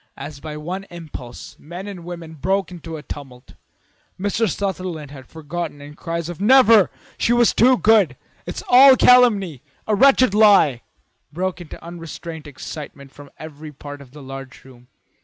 As by one impulse men and women broke into a tumult. Mr. Sutherland was forgotten and cries of "Never! She was too good! It's all calumny! A wretched lie!" broke in unrestrained excitement from every part of the large room.